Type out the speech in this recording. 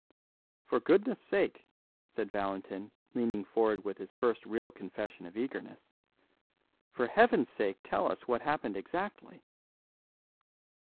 "For goodness' sake," said Valentin, leaning forward with his first real confession of eagerness, "for Heaven's sake tell us what happened exactly."